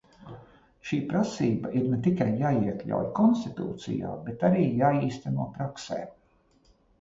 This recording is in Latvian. Šī prasība ir ne tikai jāiekļauj konstitūcijā, bet arī jāīsteno praksē.